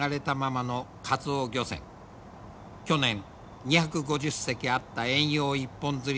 去年２５０隻あった遠洋一本づり